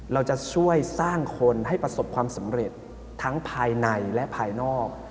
เราจะช่วยสร้างคนให้ประสบความสำเร็จทั้งภายในและภายนอก